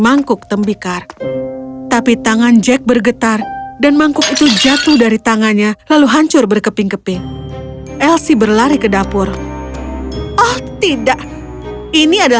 aku akan mulai mandi